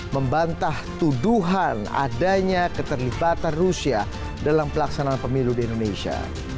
membantah tuduhan adanya keterlibatan rusia dalam pelaksanaan pemilu di indonesia